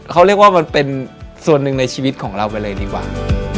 เขาเรียกว่ามันเป็นส่วนหนึ่งในชีวิตของเราไปเลยดีกว่า